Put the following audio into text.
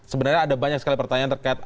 sebenarnya ada banyak sekali pertanyaan terkait